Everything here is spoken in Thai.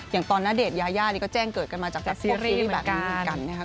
อย่างตอนนาเดชยาย่านก็แจ้งเกิดกันมาจากพวกซีรีส์แบบนี้เหมือนกัน